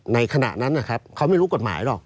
ในขณะนั้นเขาไม่รู้กฎหมายหรอก